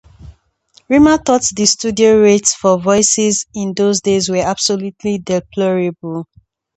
Rimmer thought the studio rates for voices in those days were "absolutely deplorable".